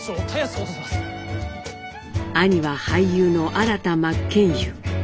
兄は俳優の新田真剣佑。